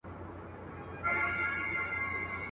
چي سړی په شته من کیږي هغه مینه ده د خلکو.